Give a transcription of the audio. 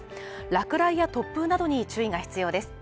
落雷や突風などに注意が必要です。